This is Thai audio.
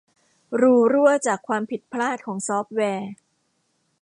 รูรั่วจากความผิดพลาดของซอฟต์แวร์